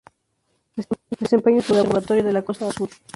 Desempeña su labor en el Observatorio de la Costa Azul.